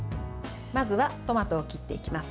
まずはトマトを切っていきます。